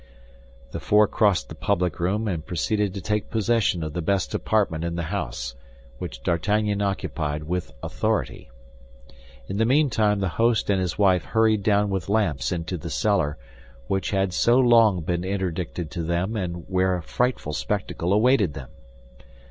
The four crossed the public room and proceeded to take possession of the best apartment in the house, which D'Artagnan occupied with authority. In the meantime the host and his wife hurried down with lamps into the cellar, which had so long been interdicted to them and where a frightful spectacle awaited them.